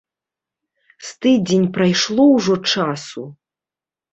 З тыдзень прайшло ўжо часу?